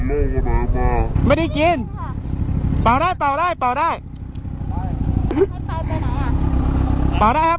โอเคนะครับโอเคค่ะสวัสดีครับ